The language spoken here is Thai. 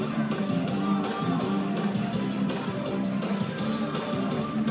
ตรงตรงตรง